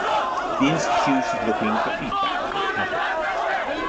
The institute is looking for feedback from the public.